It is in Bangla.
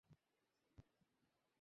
অনাথদের মাঝে এমন লক্ষণ সাধারণ ব্যাপার।